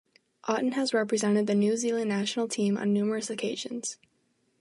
Oughton has represented the New Zealand national team, on numerous occasions.